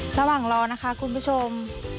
ระหว่างรอนะคะคุณผู้ชม